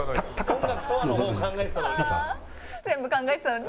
「音楽とは」の方考えてたのに。